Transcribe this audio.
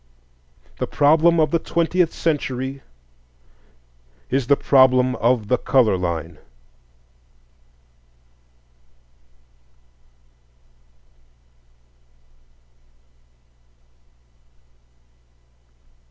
The problem of the Twentieth Century is the problem of the color line.